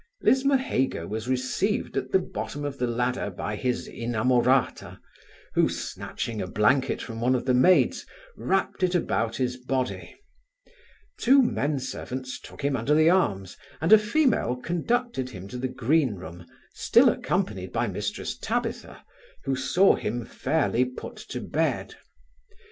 Lismahago was received at the foot of the ladder by his inamorata, who snatching a blanket from one of the maids, wrapped it about his body; two men servants took him under the arms, and a female conducted him to the green room, still accompanied by Mrs Tabitha, who saw him fairly put to bed.